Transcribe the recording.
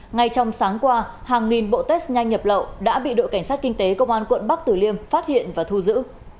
ngay trong sáng qua hàng nghìn bộ test nhanh nhập lậu đã bị đội cảnh sát kinh tế công an quận bắc tử liêm phát hiện và thu giữ